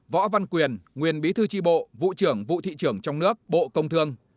võ văn quyền nguyên bí thư tri bộ vụ trưởng vụ thị trường trong nước bộ công thương